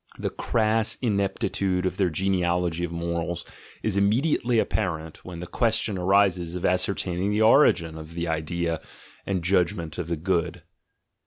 The crass ineptitude of their genealogy of morals is immediately apparent when the question arises of ascer taining the origin of the idea and judgment of "good.